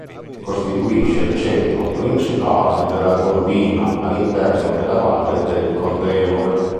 Costituisce il centro principale dell'Agordino all'interno della valle del Cordevole.